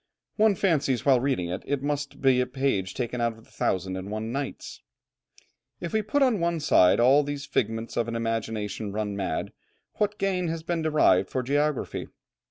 One fancies while reading it that it must be a page taken out of the Thousand and one Nights. If we put on one side all these figments of an imagination run mad, what gain has been derived for geography?